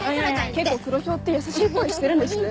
結構黒ヒョウって優しい声してるんですね。